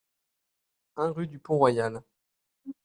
un rue du Pont Royal